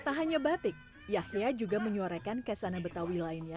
tak hanya batik yahya juga menyuarakan kesana betawi lainnya yang mulai berjalan